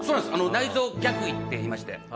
内臓逆位っていいまして。